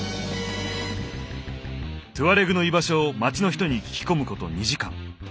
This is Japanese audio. トゥアレグの居場所を町の人に聞き込むこと２時間。